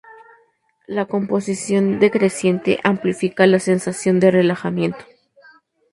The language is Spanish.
La composición decreciente amplifica la sensación de relajamiento.